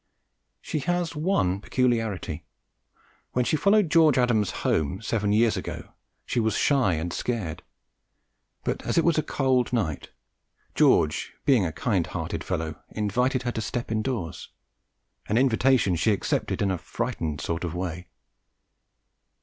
She has one peculiarity. When she followed George Adams home, seven years ago, she was shy and scared; but, as it was a cold night, George, being a kind hearted fellow, invited her to step indoors, an invitation she accepted in a frightened sort of way.